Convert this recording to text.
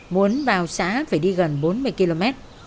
muốn vào xã phải đi gần bốn mươi km